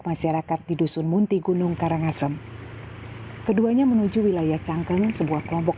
masyarakat di dusun munti gunung karangasem keduanya menuju wilayah cangkleng sebuah kelompok